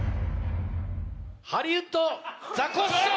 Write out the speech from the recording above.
ハリウッドザコシショウ！